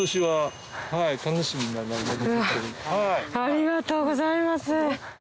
ありがとうございます。